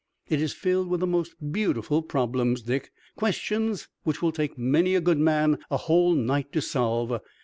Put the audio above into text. It is filled with the most beautiful problems, Dick, questions which will take many a good man a whole night to solve.